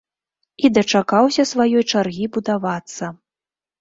І дачакаўся сваёй чаргі будавацца.